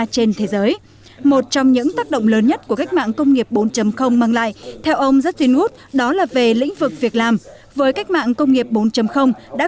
chúng tôi hãy làm một lần để tham gia